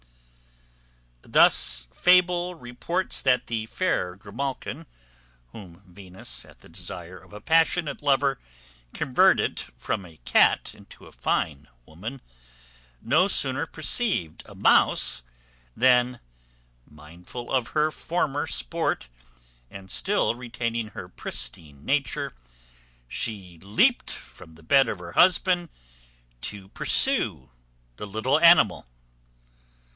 Thus fable reports that the fair Grimalkin, whom Venus, at the desire of a passionate lover, converted from a cat into a fine woman, no sooner perceived a mouse than, mindful of her former sport, and still retaining her pristine nature, she leaped from the bed of her husband to pursue the little animal.